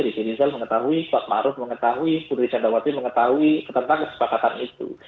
rizal mengetahui kuat maruf mengetahui pudri chandawati mengetahui tentang kesepakatan itu